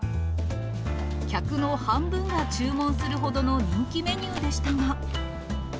客の半分が注文するほどの人気メニューでしたが。